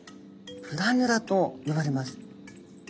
プラヌラと呼ばれます。